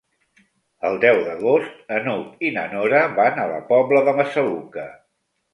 El deu d'agost n'Hug i na Nora van a la Pobla de Massaluca.